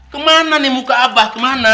kemana nih muka abah kemana